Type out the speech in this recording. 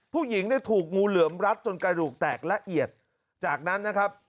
ผู้หญิงเนี่ยถูกงูเหลือมรัดจนกระดูกแตกละเอียดจากนั้นนะครับ